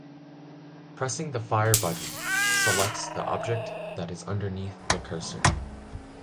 Pressing the fire button selects the object that is underneath the cursor.